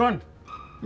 baik yang leblan